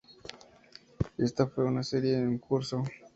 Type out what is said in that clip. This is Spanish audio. Esta fue una "serie en curso".